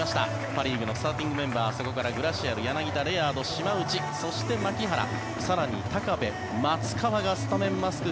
パ・リーグのスターティングメンバーグラシアル、レアード、島内そして牧原、更に高部松川がスタメンマスク。